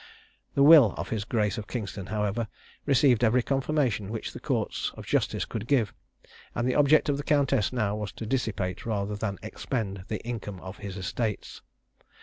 The will of his grace of Kingston, however, received every confirmation which the courts of justice could give, and the object of the countess now was to dissipate rather than expend the income of his estates.